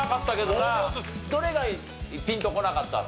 どれがピンとこなかった？